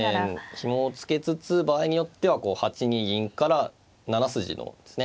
ひもを付けつつ場合によっては８二銀から７筋のですね